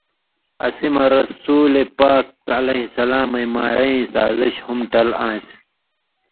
اسی مہ رسولِ پاک علیہ سلامَیں مارَیں سازش ہُم ٹل آن٘سیۡ۔